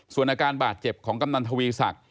ส่วนอาการบาดเจ็บของกำนันทวีศักดิ